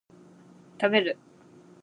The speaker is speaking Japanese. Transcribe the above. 食べる